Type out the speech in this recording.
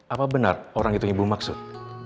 apa benar orang itu ibu maksud